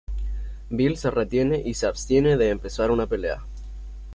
Bill se retiene y se abstiene de empezar una pelea.